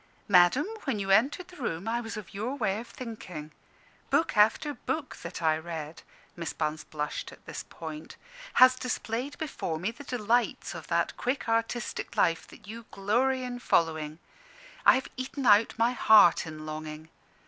"Madam, when you entered the room I was of your way of thinking. Book after book that I read" Miss Bunce blushed at this point "has displayed before me the delights of that quick artistic life that you glory in following. I have eaten out my heart in longing.